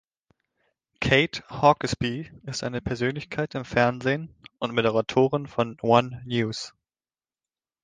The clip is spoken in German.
Kate Hawkesby ist eine Persönlichkeit im Fernsehen und Moderatorin von One News.